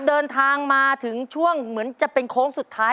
เดินทางมาถึงช่วงเหมือนจะเป็นโค้งสุดท้าย